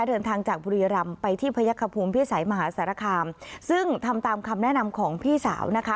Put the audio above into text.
เดินทางจากบุรีรำไปที่พยักษภูมิพิสัยมหาสารคามซึ่งทำตามคำแนะนำของพี่สาวนะคะ